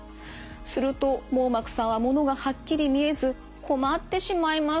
すると網膜さんはものがはっきり見えず困ってしまいます。